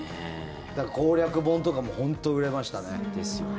だから、攻略本とかも本当に売れましたね。